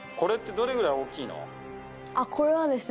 これはですね